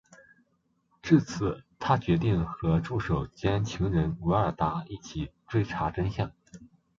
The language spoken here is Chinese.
至此他决定和助手兼情人维尔达一起追查真相。